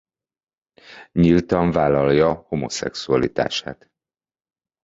Nyíltan vállalja homoszexualitását.